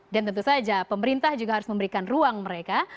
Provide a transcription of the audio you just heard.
dan tentu saja pemerintah juga harus memberikan ruang mereka